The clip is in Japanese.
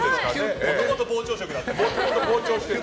もともと膨張色だった。